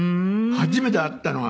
初めて会ったのが。